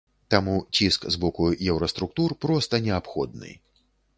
Таму ціск з боку еўраструктур проста неабходны.